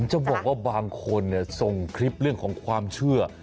จะบอกว่าบางคนส่งคลิปเรื่องของความเชื่อ